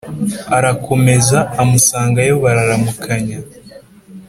arakomeza amusangayo, bararamukanya.